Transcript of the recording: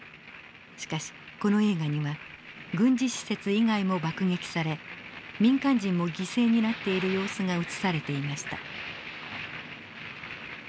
しかしこの映画には軍事施設以外も爆撃され民間人も犠牲になっている様子が映されていました。